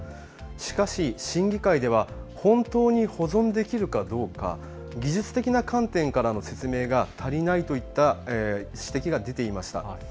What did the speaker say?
しかし審議会では本当に保存できるかどうか技術的な観点からの説明が足りないといった指摘が出ていました。